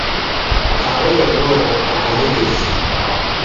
Aba yalwala akanyegezi.